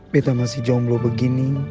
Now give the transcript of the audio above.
betta masih jomblo begini